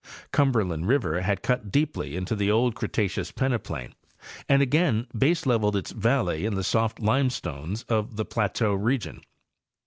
Cumberland river had cut deeply into the old Cretaceous peneplain and again baseleveled its valley in the soft limestones of the plateau region.